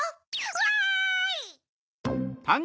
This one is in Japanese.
わい！